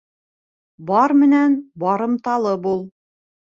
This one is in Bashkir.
Бар менән барымталы бул.